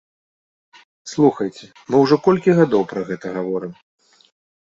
Слухайце, мы ўжо колькі гадоў пра гэта гаворым?